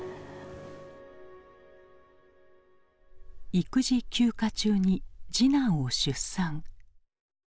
育児休暇中に次男を出産。